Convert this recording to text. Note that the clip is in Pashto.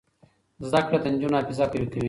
زده کړه د نجونو حافظه قوي کوي.